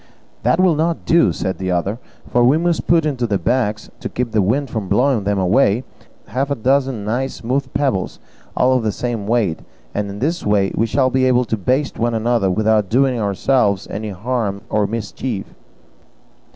"That will not do," said the other, "for we must put into the bags, to keep the wind from blowing them away, half a dozen nice smooth pebbles, all of the same weight; and in this way we shall be able to baste one another without doing ourselves any harm or mischief."